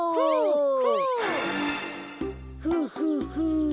フフフ。